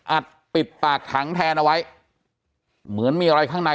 ปิดปากถังแทนเอาไว้เหมือนมีอะไรข้างใน